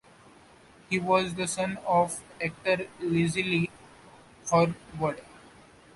He was the son of actor Leslie Howard.